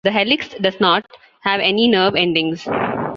The helix does not have any nerve endings.